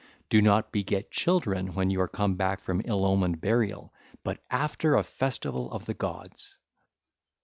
Do not beget children when you are come back from ill omened burial, but after a festival of the gods.